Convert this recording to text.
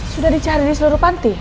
sudah dicari di seluruh panti